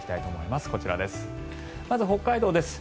まず北海道です。